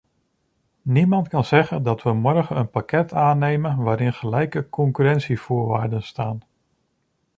Niemand kan zeggen dat we morgen een pakket aannemen waarin gelijke concurrentievoorwaarden staan.